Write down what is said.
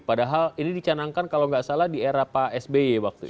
padahal ini dicanangkan kalau nggak salah di era pak sby waktu itu